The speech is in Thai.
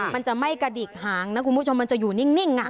มันจะไม่กระดิกหางนะคุณผู้ชมมันจะอยู่นิ่ง